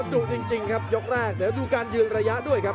ดุจริงครับยกแรกเดี๋ยวดูการยืนระยะด้วยครับ